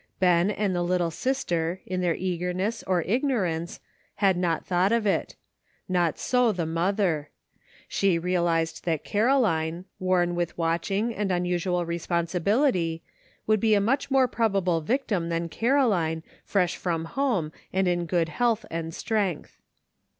Ben and the little sister in their eagerness or ignorance, had not thought of it; not so the mother. She realized that Caroline, worn with watching and unusual responsibility, would be a much more probable victim than Caroline, fresh from home and in good health and strength.